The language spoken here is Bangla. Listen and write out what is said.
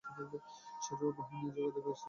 সাঁজোয়া বাহিনী, যোগাযোগ ব্যাবস্থাও সম্পূর্ণ।